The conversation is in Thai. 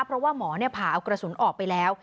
เพราะว่าหมอผ่าเอากระสุนออกไปแล้ว